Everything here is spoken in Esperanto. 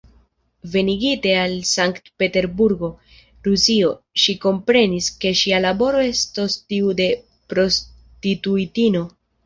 Venigite al Sankt-Peterburgo, Rusio, ŝi komprenis, ke ŝia laboro estos tiu de prostituitino.